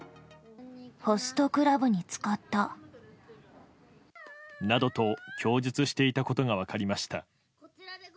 ホストクラブに使った。などと供述していたことが分かりました。